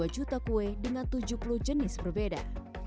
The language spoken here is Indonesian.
dua juta kue dengan tujuh puluh jenis berbeda